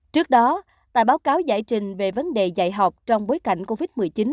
trước đó tại báo cáo giải trình về vấn đề dạy học trong bối cảnh covid một mươi chín